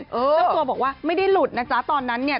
เจ้าตัวบอกว่าไม่ได้หลุดนะจ๊ะตอนนั้นเนี่ย